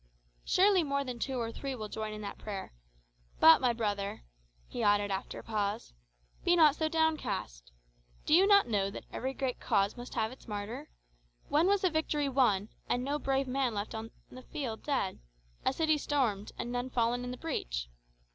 "Surely more than two or three will join in that prayer. But, my brother," he added, after a pause, "be not so downcast. Do you not know that every great cause must have its martyr? When was a victory won, and no brave man left dead on the field; a city stormed, and none fallen in the breach?